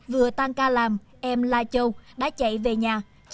vừa tan ca làm em la châu đã chạy về nhà